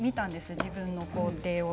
自分の工程です。